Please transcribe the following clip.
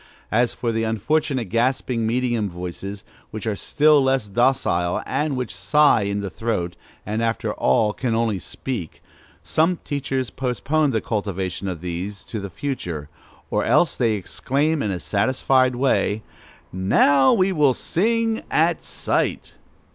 As for the unfortunate gasping medium voices, which are still less docile, and which sigh in the throat, and after all can only speak, such teachers postpone the cultivation of these to the future, or else they exclaim in a satisfied way, "Now we will sing at sight!